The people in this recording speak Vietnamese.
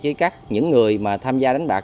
với những người tham gia đánh bạc